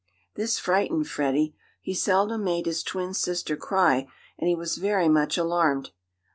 This frightened Freddie. He seldom made his twin sister cry, and he was very much alarmed.